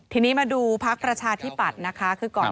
ทีนี้มาดูปรัชธิปัตธ์นะครับ